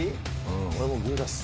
俺もうグー出す。